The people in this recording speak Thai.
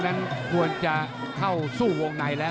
นั้นควรจะเข้าสู้วงในแล้ว